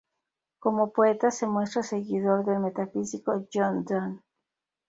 Como poeta se muestra seguidor del metafísico John Donne.